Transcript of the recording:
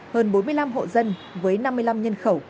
hơn bốn mươi năm hộ dân với năm mươi năm nhân khẩu